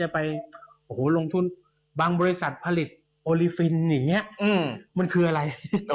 แสงบังบริษัทผลิตโอลีฟิลนิมันคืออะไร